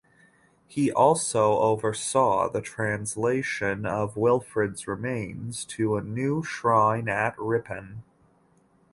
He also oversaw the translation of Wilfrid's remains to a new shrine at Ripon.